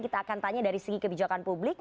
kita akan tanya dari segi kebijakan publik